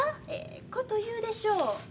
ええこと言うでしょう？